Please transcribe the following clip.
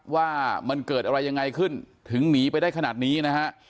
ว่ามันเกิดอะไรยังไงขึ้นถึงหนีไปได้ขนาดนี้นะฮะ